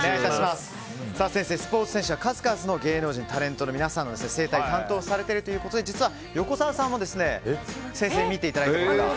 先生、スポーツ選手や数々の芸能人やタレントの皆さんの整体を担当されているということで実は横澤さんも先生に診ていただいたことがあると。